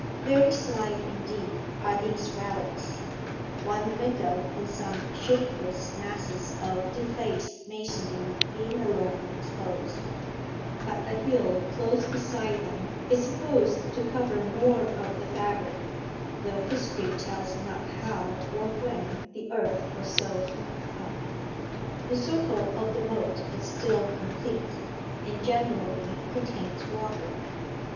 Very slight indeed are these relics, one window and some shapeless masses of defaced masonry being alone exposed; but a hill close beside them is supposed to cover more of the fabric, though history tells not how or when the earth was so heaped up. The circle of the moat is still complete, and generally contains water.